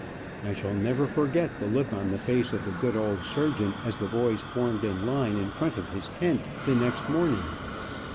I shall never forget the look on the face of the good old surgeon, as the boys formed in line in front of his tent the next morning.